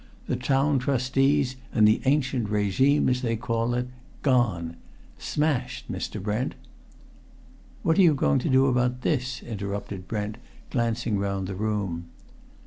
The Town Trustees and the ancient regime, as they call it gone! Smashed, Mr. Brent " "What are you going to do about this?" interrupted Brent, glancing round the room.